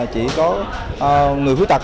chỉ có người khuyết tật